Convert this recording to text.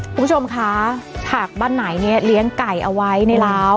คุณผู้ชมคะหากบ้านไหนเนี่ยเลี้ยงไก่เอาไว้ในร้าว